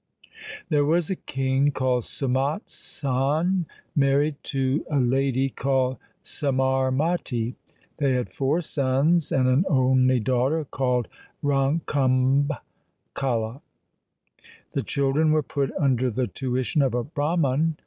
There was a king called Sumat Sain married to a lady called Samarmati. They had four sons and an only LIFE OF GURU GOBIND SINGH 69 daughter called Rankhambh Kala. The children were put under the tuition of a Brahman.